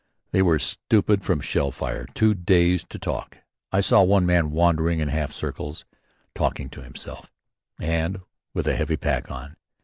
They were stupid from shell fire, too dazed to talk. I saw one man wandering in half circles, talking to himself and with a heavy pack on.